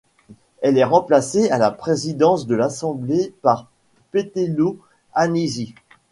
Elle est remplacée à la présidence de l'Assemblée par Petelo Hanisi.